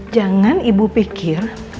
jangan ibu pikir